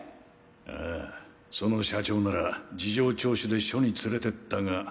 ああその社長なら事情聴取で署に連れてったが。